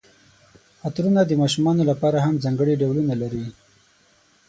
عطرونه د ماشومانو لپاره هم ځانګړي ډولونه لري.